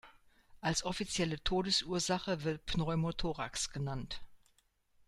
Als offizielle Todesursache wird Pneumothorax genannt.